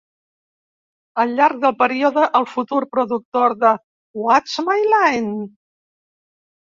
Al llarg del període, el futur productor de "What's My Line?"